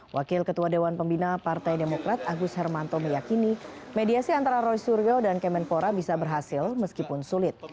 wakil ketua dewan pembina partai demokrat agus hermanto meyakini mediasi antara roy suryo dan kemenpora bisa berhasil meskipun sulit